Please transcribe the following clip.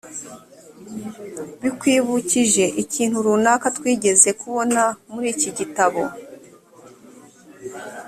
bikwibukije ikintu runaka twigeze kubona muri iki gitabo .